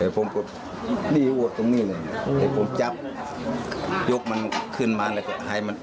พูดแก่ไหม